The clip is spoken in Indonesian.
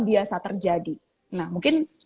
biasa terjadi nah mungkin